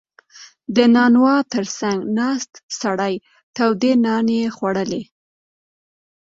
• د نانوا تر څنګ ناست سړی تودې نانې خوړلې.